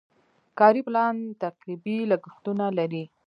کاري پلان تقریبي لګښتونه لري.